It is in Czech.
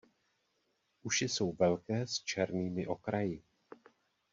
Uši jsou velké s černými okraji.